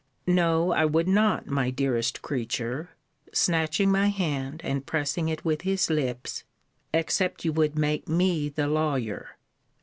No, I would not, my dearest creature, snatching my hand, and pressing it with his lips except you would make me the lawyer.